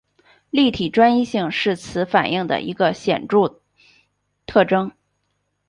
立体专一性是此反应的一个显着特征。